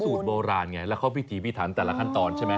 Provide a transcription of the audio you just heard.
สูตรโบราณไงแล้วเขาพิธีพิถันแต่ละขั้นตอนใช่ไหม